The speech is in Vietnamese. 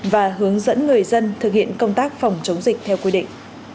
và hướng dẫn người dân thực hiện công tác phòng chống dịch theo quy định